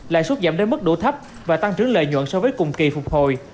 lãi suất giảm đến mức độ thấp và tăng trưởng lợi nhuận so với cùng kỳ phục hồi